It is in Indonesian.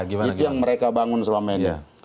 itu yang mereka bangun selama ini